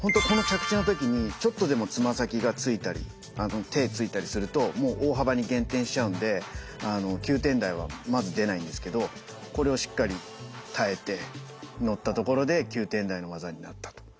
この着地の時にちょっとでもつま先がついたり手ついたりするともう大幅に減点しちゃうんで９点台はまず出ないんですけどこれをしっかり耐えて乗ったところで９点台の技になったと。